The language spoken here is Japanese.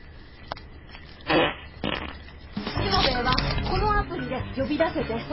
しもべえはこのアプリで呼び出せて。